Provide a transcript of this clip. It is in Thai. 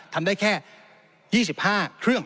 ทำได้แค่๒๕เครื่อง